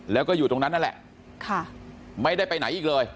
แล้วก็อยู่ตรงนั้นนั่นแหละไม่ได้ไปไหนอีกเลย